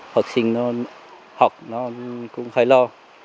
học sinh nó học nó cũng khá lo